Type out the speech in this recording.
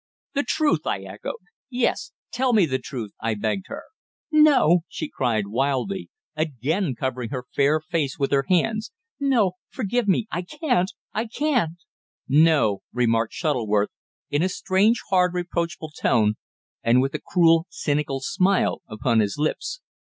"The truth!" I echoed. "Yes, tell me the truth," I begged her. "No," she cried wildly, again covering her fair face with her hands. "No forgive me. I can't I can't!" "No," remarked Shuttleworth in a strange, hard, reproachful tone, and with a cruel, cynical smile upon his lips.